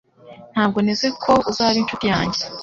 Ntabwo nteze ko uzaba inshuti yanjye